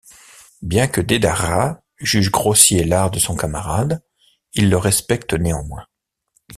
Bien que Deidara juge grossier l'art de son camarade, il le respecte néanmoins.